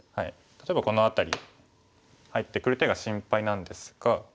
例えばこの辺り入ってくる手が心配なんですが。